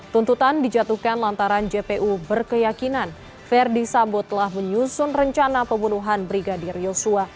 tuntutan dijatuhkan lantaran jpu berkeyakinan verdi sambo telah menyusun rencana pembunuhan brigadir yosua